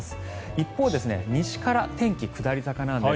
一方、西から天気、下り坂なんです。